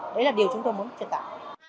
đấy là điều chúng tôi muốn truyền tải